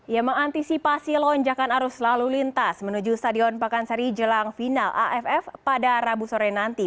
yang mengantisipasi lonjakan arus lalu lintas menuju stadion pakansari jelang final aff pada rabu sore nanti